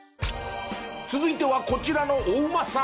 続いてはこちらのお馬さん。